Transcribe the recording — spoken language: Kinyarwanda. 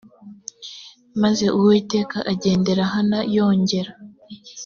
maze uwiteka agenderera hana yongera